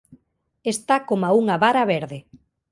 Está coma unha vara verde